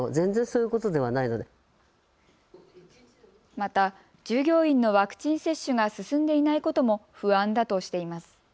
また、従業員のワクチン接種が進んでいないことも不安だとしています。